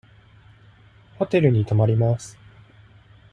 ホテルに泊まります。